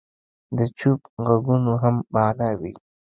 د چوپ ږغونو هم معنی وي.